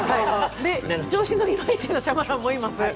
調子がいまいちのシャマランもいます。